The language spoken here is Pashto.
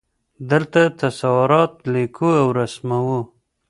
دلته تصورات لیکو او رسموو.